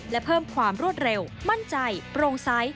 และเพิ่มความรวดเร็วมั่นใจโปร่งใส